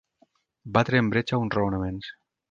Batre en bretxa uns raonaments.